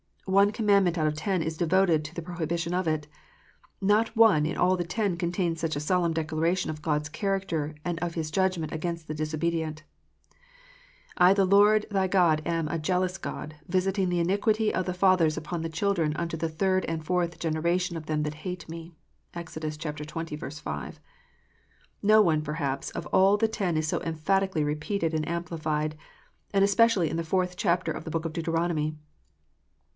One commandment out of ten is devoted to the pro hibition of it. Not one of all the ten contains such a solemn declaration of God s character, and of His judgments against the disobedient :" I the Lord thy God am a jealous God, visiting the iniquity of the fathers upon the children unto the third and . fourth generation of them that hate Me. " (Exod. xx. 5.) ]S r ot one, perhaps, of all the ten is so emphatically repeated and amplified, and especially in the fourth chapter of the book of Deuteronomy.